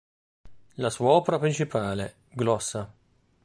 La sua opera principale, "Glossa.